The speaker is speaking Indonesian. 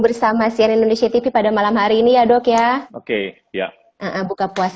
date sea indonesia tv pada malam hari ini ya dok ya oke ya